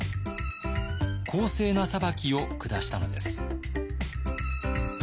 公正な裁きを下したのです。